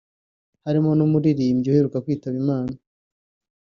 harimo n’umuririmbyi aheruka kwitaba Imana